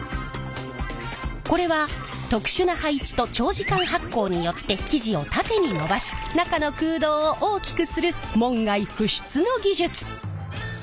これは特殊な配置と長時間発酵によって生地を縦に伸ばし中の空洞を大きくする門外不出の技術！